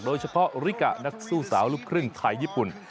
โดยเฉพาะริกะนักสู้สาวลูกครึ่งไทยญี่ปุ่น